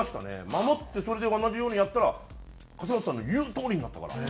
守ってそれで同じようにやったら勝俣さんの言うとおりになったから。